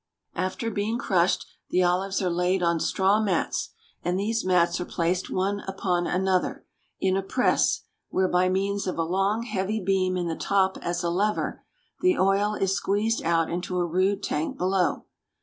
After being crushed, the olives are laid on straw mats, and these mats are placed one upon another, in a press where, by means of a long, heavy beam in the top as a lever, the oil is squeezed out into a rude tank below.